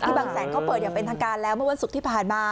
บางแสนเขาเปิดอย่างเป็นทางการแล้วเมื่อวันศุกร์ที่ผ่านมา